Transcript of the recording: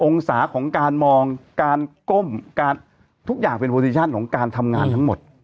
องศาของการมองการก้มการทุกอย่างเป็นโปรดิชั่นของการทำงานทั้งหมด